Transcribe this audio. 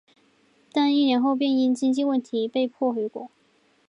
但一年后便因经济问题被迫回国。